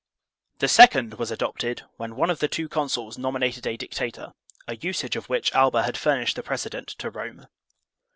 The second was adopted when one of the two consuls nominated a dictator,* a usage of which Alba had furnished the prec edent to Rome.